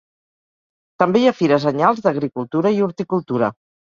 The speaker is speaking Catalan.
També hi ha fires anyals d'agricultura i horticultura.